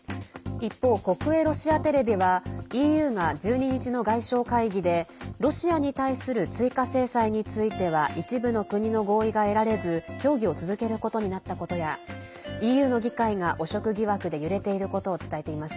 一方、国営ロシアテレビはＥＵが１２日の外相会議でロシアに対する追加制裁については一部の国の合意が得られず協議を続けることになったことやＥＵの議会が汚職疑惑で揺れていることを伝えています。